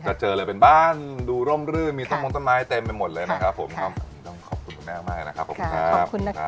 จะเจอเลยเป็นบ้านดูร่มรื่นมีต้นมองต้นไม้เต็มไปหมดเลยต้องขอบคุณแม่มากเลย